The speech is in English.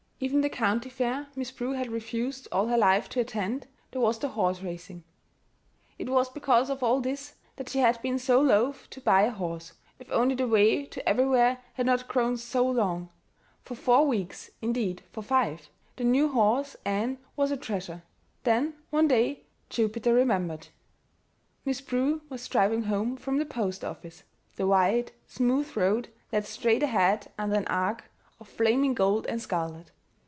Even the county fair Miss Prue had refused all her life to attend there was the horse racing. It was because of all this that she had been so loath to buy a horse, if only the way to everywhere had not grown so long! For four weeks indeed, for five the new horse, Ann, was a treasure; then, one day, Jupiter remembered. Miss Prue was driving home from the post office. The wide, smooth road led straight ahead under an arch of flaming gold and scarlet.